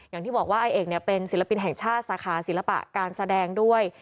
อย่างที่บอกว่าอาเอกเป็นศิลปินแห่งชาติสาขาศิลปะการแสดงด้วย